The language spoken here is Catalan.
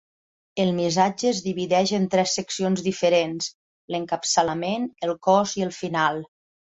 El missatge es divideix en tres seccions diferents: l'encapçalament, el cos i el final.